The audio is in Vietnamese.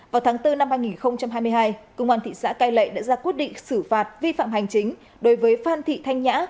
vào tháng bốn năm hai nghìn hai mươi hai công an thị xã cai lệ đã ra quyết định xử phạt vi phạm hành chính đối với phan thị thanh nhã